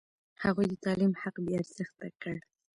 هغوی د تعلیم حق بې ارزښته کړ.